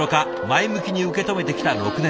前向きに受け止めてきた６年生。